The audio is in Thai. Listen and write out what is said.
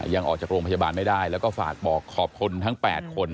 ยังออกจากโรงพยาบาลไม่ได้แล้วก็ฝากบอกขอบคุณทั้ง๘คน